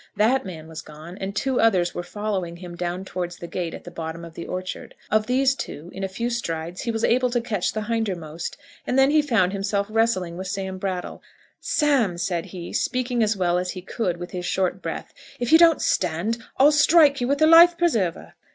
That man was gone, and two others were following him down towards the gate at the bottom of the orchard. Of these two, in a few strides, he was able to catch the hindermost, and then he found himself wrestling with Sam Brattle. "Sam," said he, speaking as well as he could with his short breath, "if you don't stand, I'll strike you with the life preserver."